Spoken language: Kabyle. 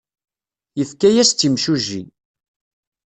Yefka-as-tt imsujji.